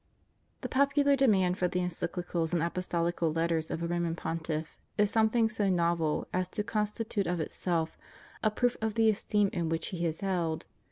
The popular demand for the Encyclicals and Apostolical Letters of a Roman Pontiff is something go novel as to constitute of itself a proof of the esteem in which he is held.